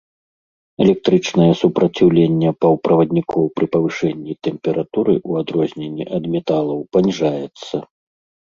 Электрычнае супраціўленне паўправаднікоў пры павышэнні тэмпературы, у адрозненні ад металаў, паніжаецца.